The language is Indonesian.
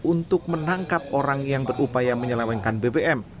untuk menangkap orang yang berupaya menyelewengkan bbm